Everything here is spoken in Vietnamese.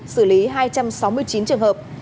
xử lý hai trăm sáu mươi chín trường hợp